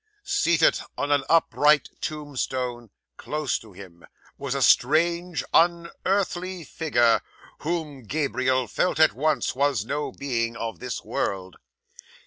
'Seated on an upright tombstone, close to him, was a strange, unearthly figure, whom Gabriel felt at once, was no being of this world.